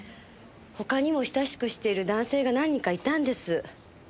他にも親しくしている男性が何人かいたんです。